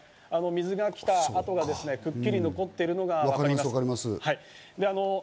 水が来た跡がくっきり残っているのがわかります。